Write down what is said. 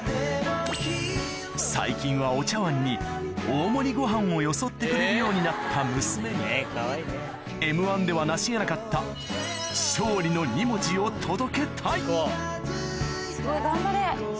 最近はお茶わんに大盛りご飯をよそってくれるようになった娘に『Ｍ−１』ではなし得なかった届けたいすごい頑張れ。